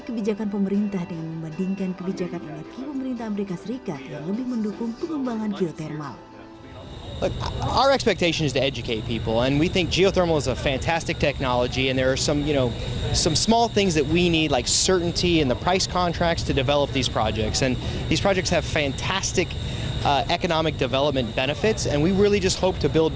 kebijakan pemerintah dengan membandingkan kebijakan energi pemerintah amerika serikat yang lebih